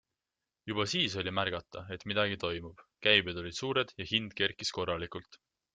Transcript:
Juba siis oli märgata, et midagi toimub - käibed olid suured ja hind kerkis korralikult.